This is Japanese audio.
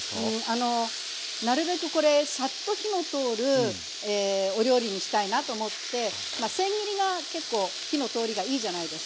あのなるべくこれサッと火の通るお料理にしたいなと思ってせん切りが結構火の通りがいいじゃないですか。